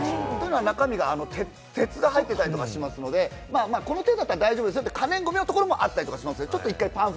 中身に鉄が入っていたりしますので、この程度だったら大丈夫ですよって、可燃ごみの所もあったりします。